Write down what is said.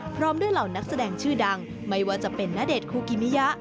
พร้อมด้วยเหล่านักแสดงชื่อดังไม่ว่าจะเป็นณเดชนคูกิมิยะ